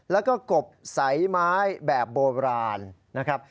แล้วก็กบใสไม้แบบโบราณนะครับ